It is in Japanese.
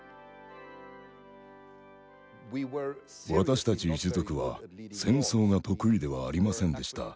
私たち一族は戦争が得意ではありませんでした。